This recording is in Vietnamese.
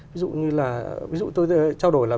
ví dụ như là tôi trao đổi là